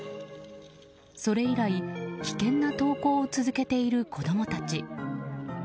それ以来、危険な登校を続けている子供たち。